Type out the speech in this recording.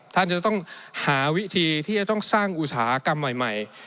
ท่านจะต้องหาวิธีที่จะต้องสร้างอุตสาหกรรมใหม่